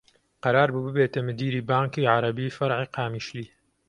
قەرار بوو ببێتە مدیری بانکی عەرەبی فەرعی قامیشلی